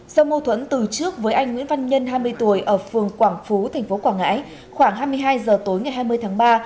do mâu thuẫn từ trước với anh nguyễn văn nhân hai mươi tuổi ở phường quảng phú tp quảng ngãi khoảng hai mươi hai h tối ngày hai mươi tháng ba